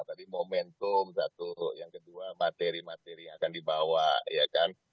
tadi momentum satu yang kedua materi materi yang akan dibawa ya kan